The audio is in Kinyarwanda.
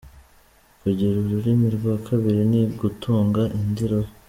Kugira ururimi rwa kabiri ni ugutunga indi roho” .